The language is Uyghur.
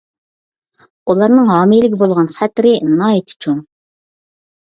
ئۇلارنىڭ ھامىلىگە بولغان خەتىرى ناھايىتى چوڭ.